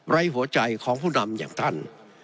หัวใจของผู้นำอย่างท่าน